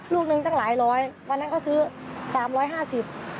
ลูกหนึ่งตั้งหลายร้อยวันนั้นเขาซื้อ๓๕๐บาท